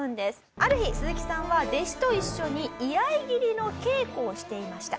ある日スズキさんは弟子と一緒に居合斬りの稽古をしていました。